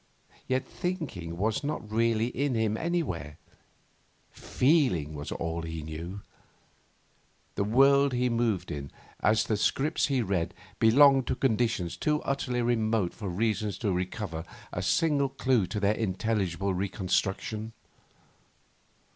Yet thinking was not really in him anywhere; feeling was all he knew. The world he moved in, as the script he read, belonged to conditions too utterly remote for reason to recover a single clue to their intelligible reconstruction.